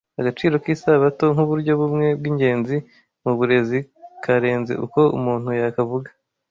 Agaciro k’Isabato nk’uburyo bumwe bw’ingenzi mu burezi karenze uko umuntu yakavuga